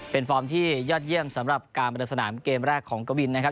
เป็นฟอร์มที่ยอดเยี่ยมสำหรับการประเดิมสนามเกมแรกของกวินนะครับ